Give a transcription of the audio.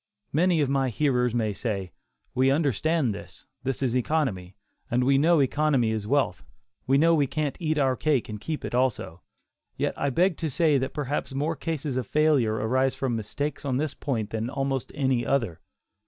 Many of my hearers may say, "we understand this; this is economy, and we know economy is wealth; we know we can't eat our cake and keep it also." Yet I beg to say that perhaps more cases of failure arise from mistakes on this point than almost any other.